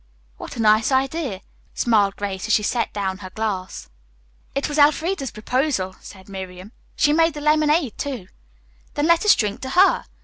"What a nice idea," smiled Grace as she set down her glass. "It was Elfreda's proposal," said Miriam. "She made the lemonade, too." "Then let us drink to her."